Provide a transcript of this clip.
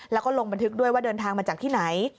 แล้วก็ลงบันทึกด้วยว่าเดินทางมาจากที่ไหน